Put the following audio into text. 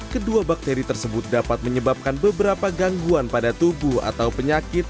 kedua bakteri tersebut dapat menyebabkan beberapa gangguan pada tubuh atau penyakit